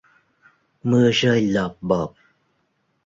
Mưa rơi lộp bộp